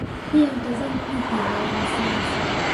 pia mtazamo mpya wa wanasiasa